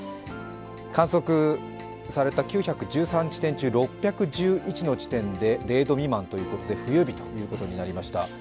観測された９１３地点中６１１の地点で０度未満ということで、冬日ということになりました。